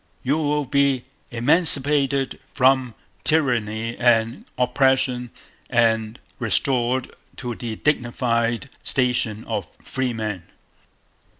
You will be emancipated from Tyranny and Oppression and restored to the dignified station of Freemen...